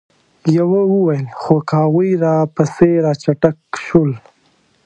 يوه وويل: خو که هغوی راپسې را چټک شول؟